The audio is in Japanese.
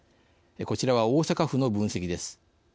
こちらは、大阪府の分析です。